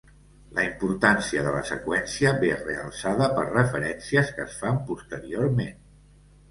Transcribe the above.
La importància de la seqüència ve realçada per referències que es fan posteriorment.